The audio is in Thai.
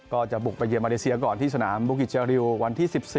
ก็จะบุกไปเยือนมาเลเซียก่อนที่สนามบุกิจเจอริววันที่๑๔